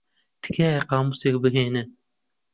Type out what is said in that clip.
تکایە قامووسێک بھێنن.